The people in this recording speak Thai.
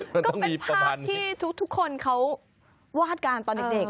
มันต้องมีประมาณก็เป็นภาพที่ทุกคนเขาวาดการตอนเด็ก